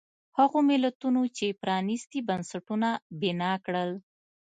هغو ملتونو چې پرانیستي بنسټونه بنا کړل.